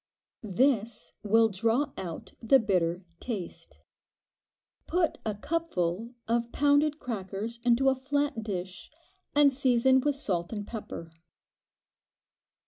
This will draw out the bitter taste. Put a cupful of pounded crackers into a flat dish and season with salt and pepper.